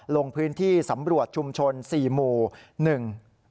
ลงพื้นที่สำรวจชุมชนสี่หมู่หนึ่ง